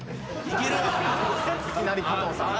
いきなり加藤さん。